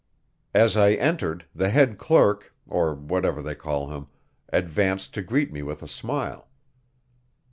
As I entered the head clerk or whatever they call him advanced to greet me with a smile.